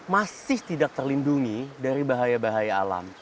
masih tidak terlindungi dari bahaya bahaya alam